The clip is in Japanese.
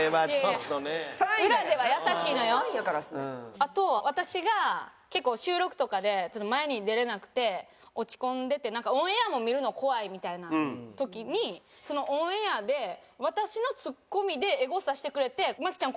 あとは私が結構収録とかで前に出れなくて落ち込んでてオンエアも見るの怖いみたいな時にそのオンエアで私のツッコミでエゴサしてくれて「麻貴ちゃん